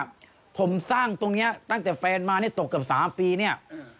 ผมถามว่าผมสร้างตรงนี้ตั้งแต่แฟนมาตกกับสามปีนี่